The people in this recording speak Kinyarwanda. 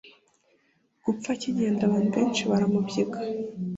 gupfa Akigenda abantu benshi baramubyiga